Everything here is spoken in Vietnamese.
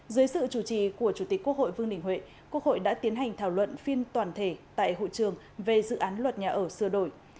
dưới sự chủ trì của chủ tịch quốc hội vương đình huệ quốc hội đã tiến hành thảo luận phiên toàn thể tại hội trường về dự án luật nhà ở sơ đổi